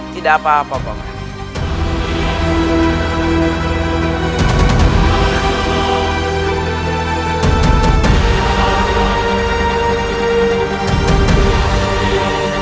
tidak apa apa pak